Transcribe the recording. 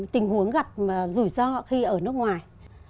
tình huống gặp rủi ro khi ở nước ngoài